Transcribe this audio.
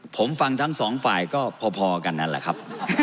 ผมฟังทั้งสองฝ่ายก็พอกันนั่นแหละครับ